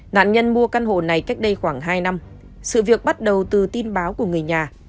nạn nhân mua căn hộ này cách đây khoảng hai năm sự việc bắt đầu từ tin báo của người nhà